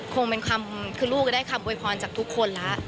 คงเป็นคำคือลูกจะได้คำโวยพรจากทุกคนแล้ว